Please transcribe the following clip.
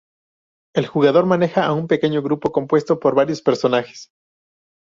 El jugador maneja a un pequeño grupo compuesto por varios personajes.